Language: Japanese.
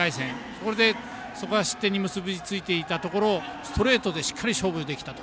それで、そこが失点に結びついていたところをストレートでしっかり勝負できたと。